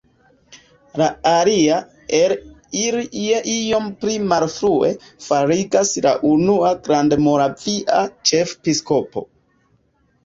La alia el ili je iom pli malfrue fariĝas la unua grandmoravia ĉefepiskopo.